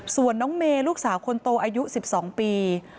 ส่วนน้องเมย์ลูกสาวคนโตอายุ๑๒ปี